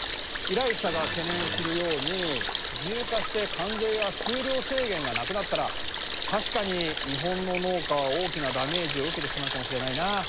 依頼者が懸念するように自由化して関税や数量制限がなくなったら確かに日本の農家は大きなダメージを受けてしまうかもしれないな。